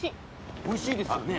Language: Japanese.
おいしいですよねぇ！